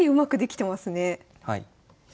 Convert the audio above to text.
はい。